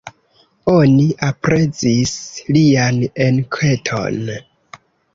Oni aprezis lian enketon.